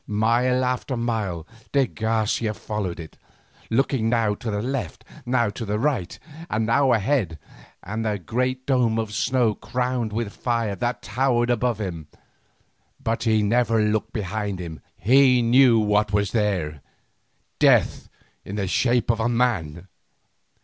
Mile after mile de Garcia followed it, looking now to the left, now to the right, and now ahead at the great dome of snow crowned with fire that towered above him. But he never looked behind him; he knew what was there—death in the shape of a man!